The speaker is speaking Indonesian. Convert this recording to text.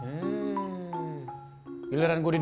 giliran gue di dalam aja lu gedor gedor